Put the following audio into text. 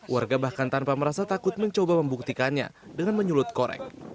warga bahkan tanpa merasa takut mencoba membuktikannya dengan menyulut korek